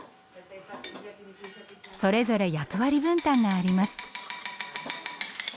それぞれ役割分担があります。